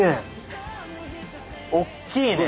おっきいね。